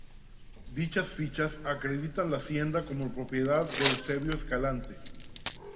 Dichas fichas acreditan la hacienda como propiedad de Eusebio Escalante.